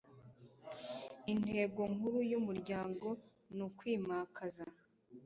Intego nkuru y umuryango n Ukwimakaza